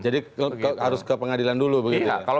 jadi harus ke pengadilan dulu begitu ya